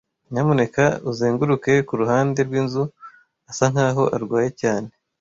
Nyamuneka uzenguruke kuruhande rwinzu. Asa nkaho arwaye cyane.